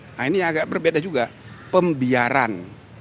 nah ini agak berbeda juga pembiaran